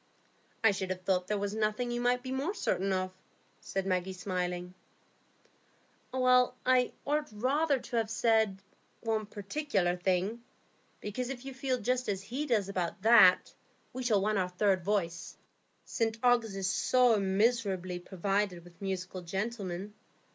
"I should have thought there was nothing you might be more certain of," said Maggie, smiling. "I ought rather to have said, one particular thing. Because if you feel just as he does about that, we shall want our third voice. St Ogg's is so miserably provided with musical gentlemen.